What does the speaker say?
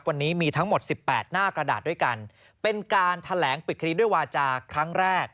วันนี้มีทั้งหมดสิบแปดหน้ากระดาษด้วยกันเป็นการแถลงปิดคดีด้วยวาจาครั้งแรก